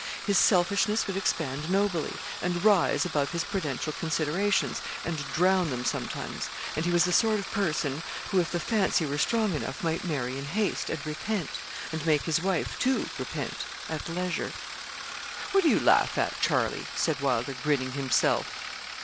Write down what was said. His selfishness would expand nobly, and rise above his prudential considerations, and drown them sometimes; and he was the sort of person, who, if the fancy were strong enough, might marry in haste, and repent and make his wife, too, repent at leisure. 'What do you laugh at, Charlie?' said Wylder, grinning himself.